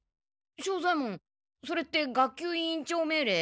庄左ヱ門それって学級委員長命れい？